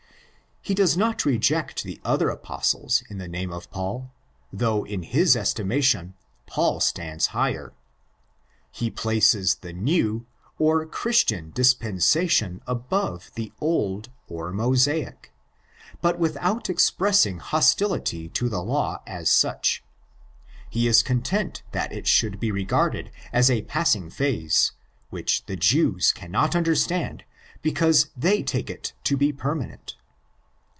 He does not reject the other Apostles in the name of Paul, though in his estima tion Paul stands higher. He places the new or Christian dispensation above the old or Mosaic, but without expressing hostility to the law as such. He is content that it should be regarded as a passing phase, which the Jews cannot understand because they take it to be permanent.